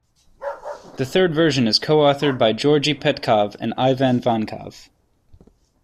The third version is co-authored by Georgi Petkov and Ivan Vankov.